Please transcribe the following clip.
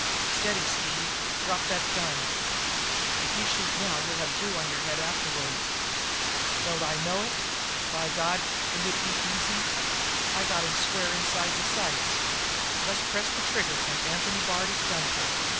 "Steady, Steve! Drop that gun! If you shoot now you'll have Drew on your head afterward." "Don't I know it? But God, wouldn't it be easy? I got him square inside the sights. Jest press the trigger and Anthony Bard is done for.